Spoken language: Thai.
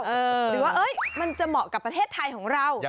หรือว่ามันจะเหมาะกับประเทศไทยของเรา